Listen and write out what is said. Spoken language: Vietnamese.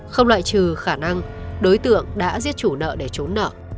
không loại trừ khả năng đối tượng đã giết chủ nợ để trốn nợ